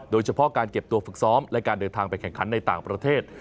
โดยเฉพาะการเก็บตัวฝึกซ้อมและการเดินทางไปแข่งขันในต่างประเทศ